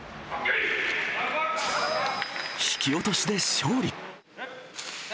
引き落としで勝利。